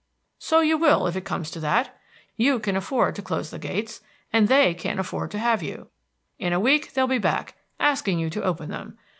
"So you will, if it comes to that. You can afford to close the gates, and they can't afford to have you. In a week they'd be back, asking you to open them.